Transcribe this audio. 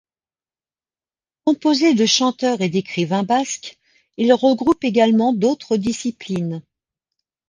Composé de chanteurs et d'écrivains basques, il regroupe également d'autres disciplines.